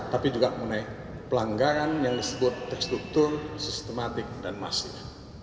tapi juga mengenai pelanggaran yang disebut terstruktur sistematik dan masif